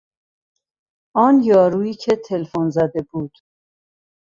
آن یارویی که تلفن زده بود